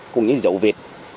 cùng những dấu vệt